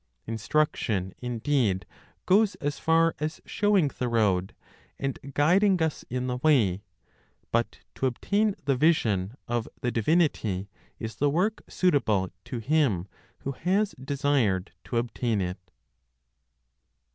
Instruction, indeed, goes as far as showing the road, and guiding us in the way; but to obtain the vision (of the divinity), is the work suitable to him who has desired to obtain it.